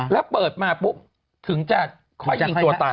แล้วเปิดมาปุ๊บถึงจะขอให้ยิงตัวตาย